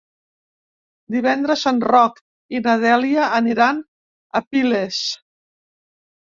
Divendres en Roc i na Dèlia aniran a Piles.